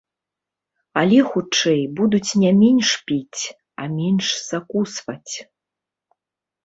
Але, хутчэй, будуць не менш піць, а менш закусваць.